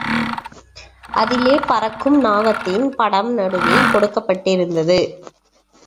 அதிலே பறக்கும் நாகத்தின் படம் நடுவில் கொடுக்கப்பட்டிருந்தது.